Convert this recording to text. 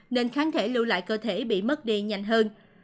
nên kháng thể lưu lại cơ thể bị mất đi nhanh hơn